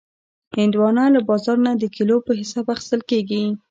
هندوانه له بازار نه د کیلو په حساب اخیستل کېږي.